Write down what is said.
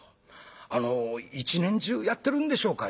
「あの一年中やってるんでしょうか？」。